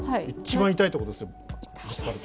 一番痛いところですよね。